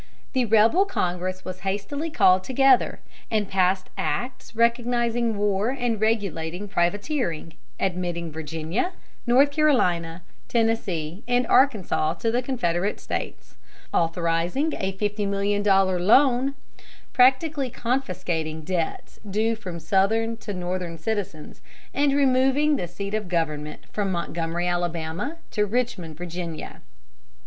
The rebel Congress was hastily called together, and passed acts recognizing war and regulating privateering; admitting Virginia, North Carolina, Tennessee, and Arkansas to the Confederate States; authorizing a $50,000,000 loan; practically confiscating debts due from Southern to Northern citizens; and removing the seat of government from Montgomery, Alabama, to Richmond, Virginia.